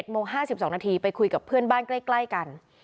โมง๕๒นาทีไปคุยกับเพื่อนบ้านใกล้กัน